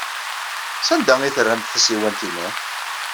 Sanda ay terramt tasiwant-inu?